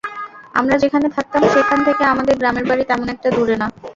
আমরা যেখানে থাকতাম সেখান থেকে আমাদের গ্রামের বাড়ি তেমন একটা দূরে না।